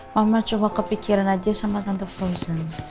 mama cuma kepikiran aja sama tante frozen